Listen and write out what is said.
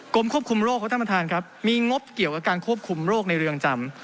ควบคุมโรคครับท่านประธานครับมีงบเกี่ยวกับการควบคุมโรคในเรือนจำ